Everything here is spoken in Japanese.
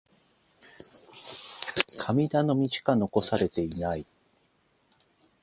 神頼みしか残されていない。